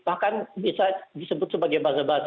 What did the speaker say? bahkan bisa disebut sebagai bazabati